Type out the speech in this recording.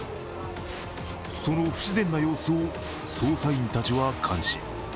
その不自然な様子を捜査員たちは監視。